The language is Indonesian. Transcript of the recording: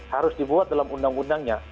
harus dibuat dalam undang undangnya